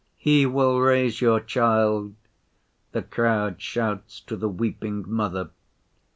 'He will raise your child,' the crowd shouts to the weeping mother.